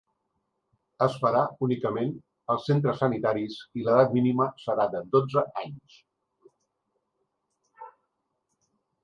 Es farà únicament als centres sanitaris i l’edat mínima serà de dotze anys.